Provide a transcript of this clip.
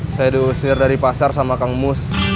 saya diusir dari pasar sama kang mus